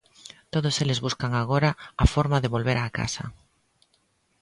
Todos eles buscan agora a forma de volver a casa.